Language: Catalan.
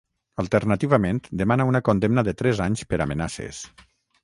Alternativament, demana una condemna de tres anys per amenaces.